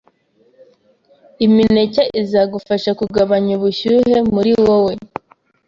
Imineke izagufasha kugabanya ubushyuhe muri wowe